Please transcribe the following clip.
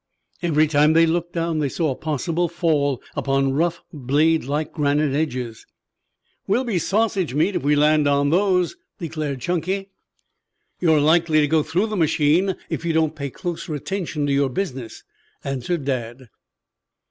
Every time they looked down they saw a possible fall upon rough, blade like granite edges. "We'd be sausage meat if we landed on those," declared Chunky. "You are likely to go through the machine if you don't pay closer attention to your business," answered Dad.